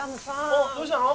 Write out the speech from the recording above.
おっどうしたの？